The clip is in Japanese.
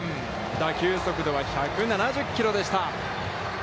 打球速度は１７０キロでした。